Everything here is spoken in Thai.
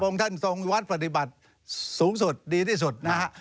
ท่านทรงวัดปฏิบัติสูงสุดดีที่สุดนะฮะ